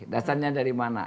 dasarnya dari mana